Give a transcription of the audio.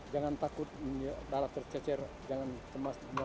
jangan takut darah tercecer jangan cemas